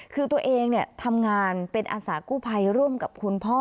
คือตัวเองทำงานเป็นอาสากู้ภัยร่วมกับคุณพ่อ